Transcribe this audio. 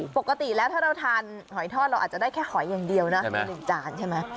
ปกติแล้วถ้าเราทานหอยทอดเราอาจจะได้แค่หอยอย่างเดียวนะมี๑จานใช่ไหม